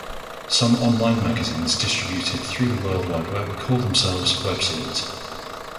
Some online magazines distributed through the World Wide Web call themselves webzines.